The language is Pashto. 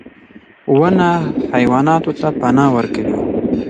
• ونه حیواناتو ته پناه ورکوي.